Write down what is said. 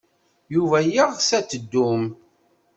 Yuba yeɣs ad teddum.